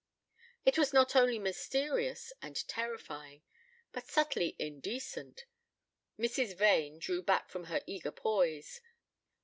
It was not only mysterious and terrifying but subtly indecent. Mrs. Vane drew back from her eager poise.